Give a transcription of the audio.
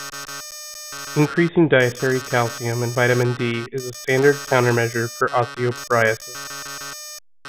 Increasing dietary calcium and vitamin D is a standard countermeasure for osteoporosis.